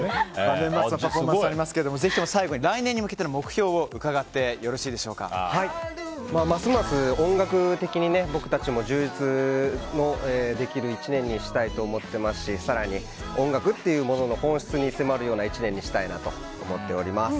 年末もパフォーマンスありますがぜひとも最後に来年に向けての目標をますます音楽的に僕たちも充実できる１年にしたいと思っていますし更に音楽というものの本質に迫る１年にしたいなと思っております。